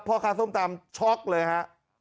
พ่อค้าส้มตำช็อกเลยฮะ